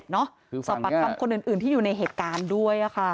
สอบประคัมคนอื่นที่อยู่ในเหตุการณ์ด้วยอะค่ะ